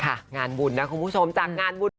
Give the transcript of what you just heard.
งานบุญนะคุณผู้ชมจากงานบุญ